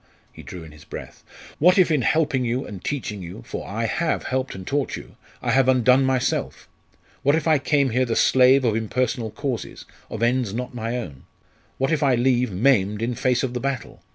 he drew in his breath "What if in helping you, and teaching you for I have helped and taught you! I have undone myself? What if I came here the slave of impersonal causes, of ends not my own? What if I leave maimed in face of the battle?